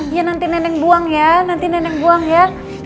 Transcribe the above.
ya nanti neneng buang ya nanti neneng buang ya